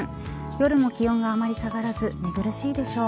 夜も気温があまり下がらず寝苦しいでしょう。